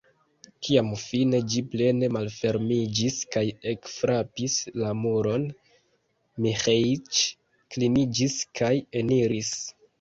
Kiam fine ĝi plene malfermiĝis kaj ekfrapis la muron, Miĥeiĉ kliniĝis kaj eniris.